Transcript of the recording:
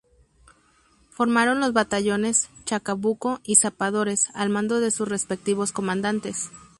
Formaron los batallones "Chacabuco" y "Zapadores" al mando de sus respectivos comandantes.